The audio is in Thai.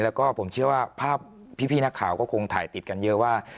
แล้วก็ผมเชื่อว่าภาพพี่นักข่าวก็คงถ่ายติดกันเยอะว่า